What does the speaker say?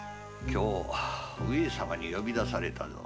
今日上様に呼び出されたぞ。